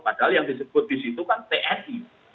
padahal yang disebut disitu kan tni